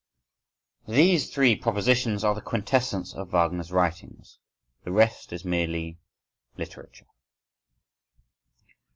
These three propositions are the quintessence of Wagner's writings;—the rest is merely—"literature".